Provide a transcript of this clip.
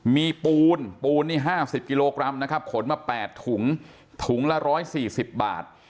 มีปูนปูนนี่๕๐กิโลกรัมนะครับขนมา๘ถุงถุงละ๑๔๐บาท